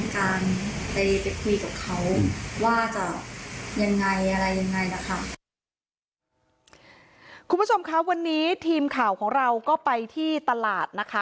คุณผู้ชมคะวันนี้ทีมข่าวของเราก็ไปที่ตลาดนะคะ